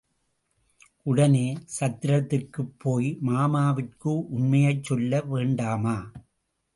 உடனே சத்திரத்திற்குப் போய் மாமாவிற்கு உண்மையைச் சொல்ல வேண்டாமா?